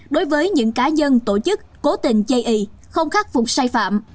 đối với những cá nhân tổ chức cố tình chê ý không khắc phục sai phạm